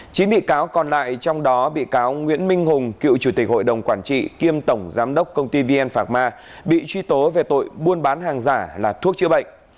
trong vụ này bị cáo nguyễn minh hùng cựu chủ tịch hội đồng quản trị kiêm tổng giám đốc công ty vn phạm ma bị truy tố về tội buôn bán hàng giả là thuốc chữa bệnh